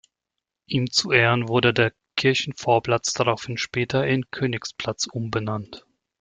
Ihm zu Ehren wurde der Kirchenvorplatz daraufhin später in „"Königsplatz"“ umbenannt.